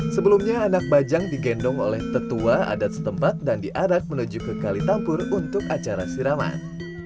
sebelumnya anak bajang digendong oleh tetua adat setempat dan diarak menuju ke kalitampur untuk acara siraman